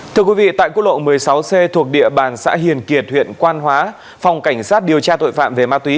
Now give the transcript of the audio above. thưa quý vị tại quốc lộ một mươi sáu c thuộc địa bàn xã hiền kiệt huyện quan hóa phòng cảnh sát điều tra tội phạm về ma túy